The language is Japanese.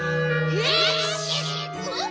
えっ？